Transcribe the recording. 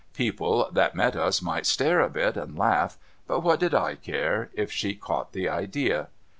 People that met us might stare a bit and laugh, but what did / care, if she caught the idea?